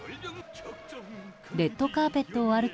レッドカーペットを歩く